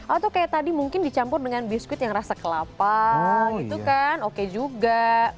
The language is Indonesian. atau kayak tadi mungkin dicampur dengan biskuit yang rasa kelapa gitu kan oke juga